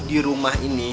di rumah ini